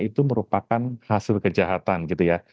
itu merupakan hasil kejahatan gitu ya